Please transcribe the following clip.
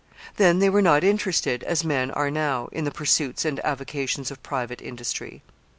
Then they were not interested, as men are now, in the pursuits and avocations of private industry.